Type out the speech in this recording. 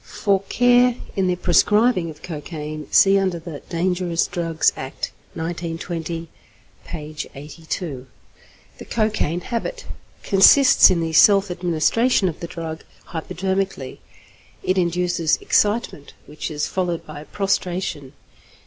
For care in the prescribing of cocaine see under the 'Dangerous Drugs Act, 1920' (p. 82). The =Cocaine Habit= consists in the self administration of the drug hypodermically. It induces excitement, which is followed by prostration.